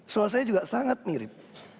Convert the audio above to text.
suasanya juga sangat mirip